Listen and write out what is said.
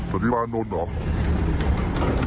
สันติบาลนนท์เหรอ